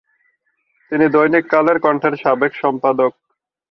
তিনি দৈনিক কালের কণ্ঠের সাবেক সম্পাদক।